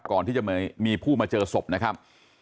ก่อนที่จะมีผู้มาเจอศพนะครับ